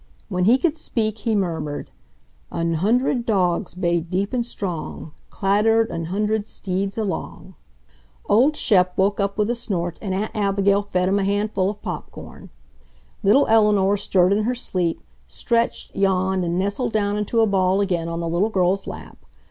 When he could speak he murmured: An hundred dogs bayed deep and strong, Clattered an hundred steeds along. Old Shep woke up with a snort and Aunt Abigail fed him a handful of pop corn. Little Eleanor stirred in her sleep, stretched, yawned, and nestled down into a ball again on the little girl's lap.